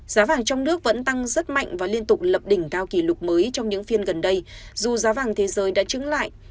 giá vàng trong nước vẫn tăng rất mạnh và liên tục lập đỉnh cao kỷ lục mới trong những phiên gần đây dù giá vàng thế giới đã trứng lại